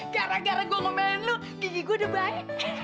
gara gara gua ngomongin lu gigi gua udah baik hahaha